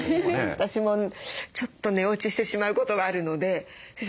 私もちょっと寝落ちしてしまうことがあるので先生